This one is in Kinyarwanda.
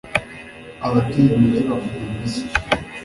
abatuye umujyi bakomye amashyi